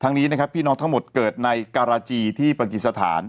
ทางนี้พี่น้องทั้งหมดเกิดในการาจีที่ประกิษฐาน